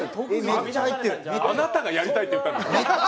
あなたがやりたいって言ったのよ。